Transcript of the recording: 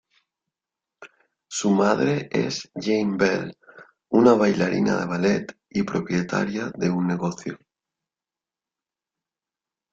Su madre es Jane Bell, una bailarina de ballet y propietaria de un negocio.